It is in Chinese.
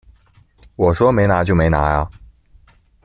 我说没拿就没拿啊